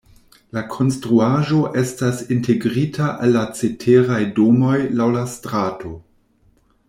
La konstruaĵo estas integrita al la ceteraj domoj laŭ la strato.